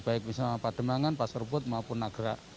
baik wisma pademangan pasar put maupun nagra